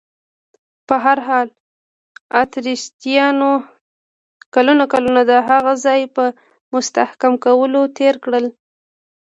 په هر حال، اتریشیانو کلونه کلونه د هغه ځای په مستحکم کولو تېر کړل.